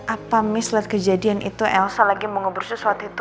apa miss liat kejadian itu elsa lagi mau ngebur susuat itu